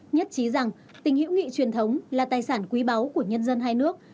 nhất trí rằng tình hữu nghị truyền thống là tài sản quý báu của nhân dân hai nước